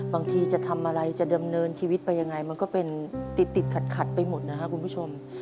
บางทีจะทำอะไรจะดำเนินชีวิตไปยังไงมันก็เป็นติดขัดไปหมดนะครับคุณผู้ชม